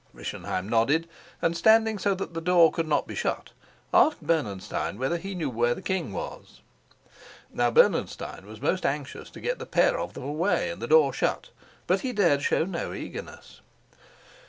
Rischenheim nodded, and, standing so that the door could not be shut, asked Bernenstein whether he knew where the king was. Now Bernenstein was most anxious to get the pair of them away and the door shut, but he dared show no eagerness.